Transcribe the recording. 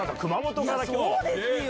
そうですよ！